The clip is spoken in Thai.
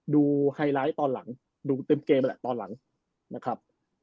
ไฮไลท์ตอนหลังดูเต็มเกมนั่นแหละตอนหลังนะครับ